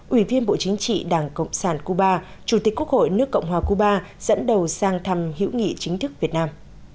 ủy viên bộ chính trị đảng cộng sản cuba chủ tịch quốc hội nước cộng hòa cuba dẫn đầu sang thăm hữu nghị chính thức việt nam